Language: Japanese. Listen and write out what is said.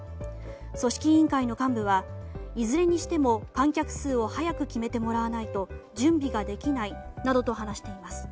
組織委員会の幹部はいずれにしても観客数を早く決めてもらわないと準備ができないなどと話しています。